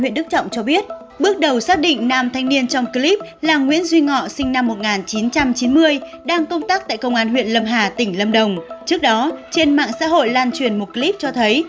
trước đó trên mạng xã hội lan truyền một clip cho thấy